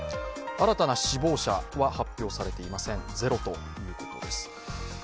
新たな死亡者は発表されていません、ゼロということです。